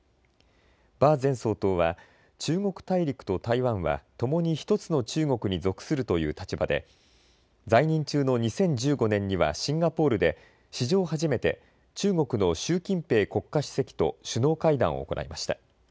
馬前総統は中国大陸と台湾はともに１つの中国に属するという立場で在任中の２０１５年にはシンガポールで史上初めて中国の習近平国家主席と首脳会談を行いました。